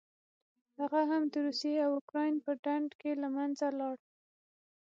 هغه هم د روسیې او اوکراین په ډنډ کې له منځه لاړه.